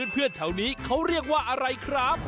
เพื่อนแถวนี้เขาเรียกว่าอะไรครับ